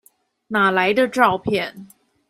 哪來的照片？